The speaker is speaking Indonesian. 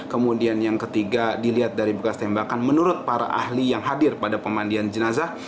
kemudian yang ketiga dilihat dari bekas tembakan menurut para ahli yang hadir pada pemandian jenazah